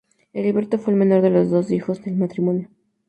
Heriberto fue el menor de los dos hijos del matrimonio.